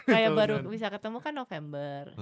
kayak baru bisa ketemu kan november